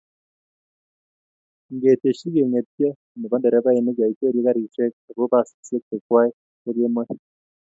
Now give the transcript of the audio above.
ngetesyi kengetyo nebo nderefainik yoikwerie karishek ago basishek chekwai ko kemoi